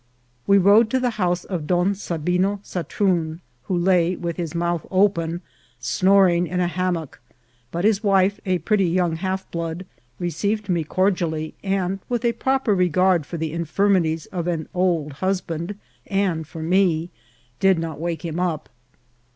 We rode to the house of Don Sabino Satroon, who lay, with his mouth open, snoring in a hammock; but his wife, a pretty young half blood, received me cordially, and with a proper regard for the infirmities of an old hus band and for me, did not wake him up.